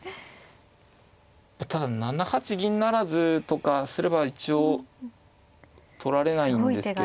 ただ７八銀不成とかすれば一応取られないんですけど。